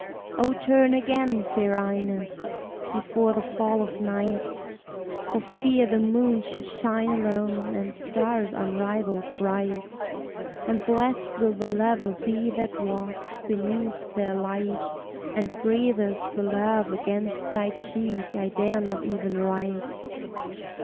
O turn again, fair Ines, before the fall of night, For fear the moon should shine alone, and stars unrivalled bright; And blessèd will the lover be that walks beneath their light, And breathes the love against thy cheek I dare not even write!